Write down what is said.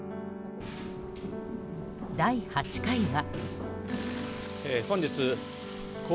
第８回は。